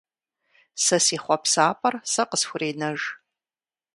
Сэ си хъуэпсапӏэр сэ къысхуренэж!